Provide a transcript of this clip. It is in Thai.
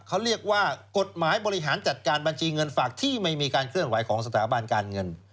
เขาเรียกว่ากฎหมายบริหารจัดการบัญชีเงินฝากที่ไม่มีการเคลื่อนไหวของสถาบันการเงิน